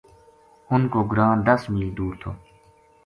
انھ کو گراں دس میل دور تھو